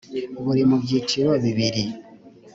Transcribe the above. buri mu byiciro bibiri